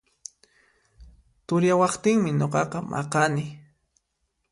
Turiyawaqtinmi nuqaqa maqani